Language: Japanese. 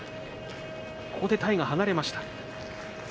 ここで体が離れました。